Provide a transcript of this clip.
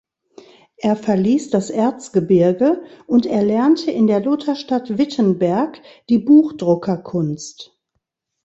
Er verließ das Erzgebirge und erlernte in der Lutherstadt Wittenberg die Buchdruckerkunst.